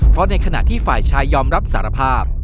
เพราะในขณะที่ฝ่ายชายยอมรับสารภาพ